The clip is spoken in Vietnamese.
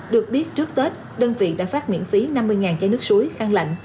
được biết trước tết đơn vị đã phát miễn phí năm mươi chai nước suối khăn lạnh